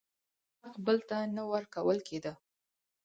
د چا حق بل ته نه ورکول کېده.